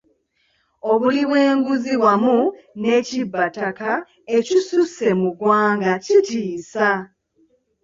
Obuli bw'enguzi wamu n'ekibbattaka ekisusse mu ggwanga kitissa.